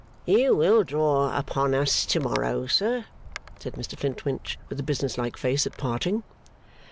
'You will draw upon us to morrow, sir,' said Mr Flintwinch, with a business like face at parting.